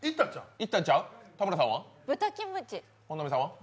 いったんちゃう？